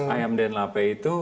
ayam den lape itu